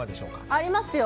ありますよ。